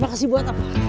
makasih buat apa